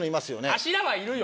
柱はいるよ。